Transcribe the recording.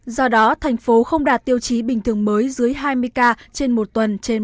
do đó thành phố không đạt tiêu chí bình thường mới dưới hai mươi ca trên một tuần trên một trăm linh dân